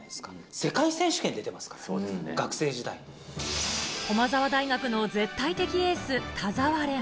世界選手権に出てますから、駒澤大学の絶対的エース、田澤廉。